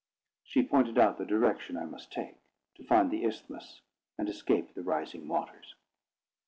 She pointed out the direction I must take, to find the isthmus and escape the rising waters.